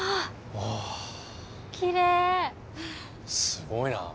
すごいな。